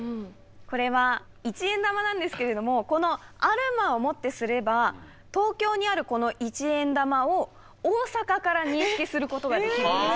これは一円玉なんですけれどもこのアルマをもってすれば東京にあるこの一円玉を大阪から認識することができるんです。